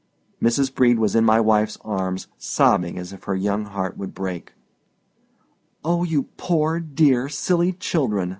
Mrs. Brede was in my wife's arms, sobbing as if her young heart would break. "Oh, you poor, dear, silly children!"